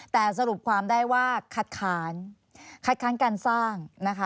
แต่สรุปความได้ว่าคัดค้านการสร้าง